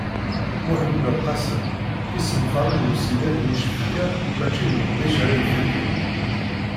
Muḥend Belqasem: Isenfaṛen n usideg n yifecka mačči d leqdic ara ifakken.